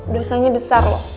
dosanya besar loh